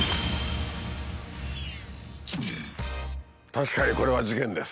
確かにこれは事件です。